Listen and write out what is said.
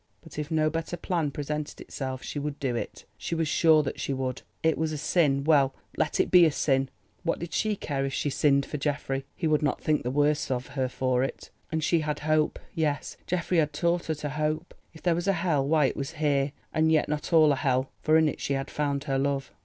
But if no better plan presented itself she would do it, she was sure that she would. It was a sin—well, let it be a sin; what did she care if she sinned for Geoffrey? He would not think the worse of her for it. And she had hope, yes, Geoffrey had taught her to hope. If there was a Hell, why it was here. And yet not all a Hell, for in it she had found her love!